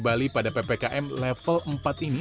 objek wisata di bali pada ppkm level empat ini